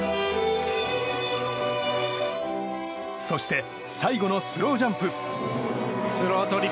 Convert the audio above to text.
そして、最後のスロージャンプ。